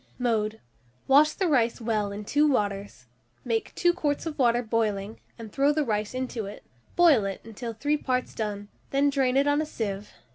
Mode. Wash the rice well in two waters; make 2 quarts of water boiling, and throw the rice into it; boil it until three parts done, then drain it on a sieve.